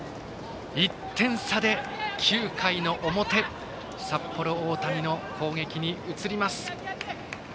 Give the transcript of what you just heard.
１点差で９回の表札幌大谷の攻撃に移ります。